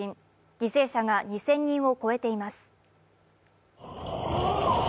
犠牲者が２０００人を超えています。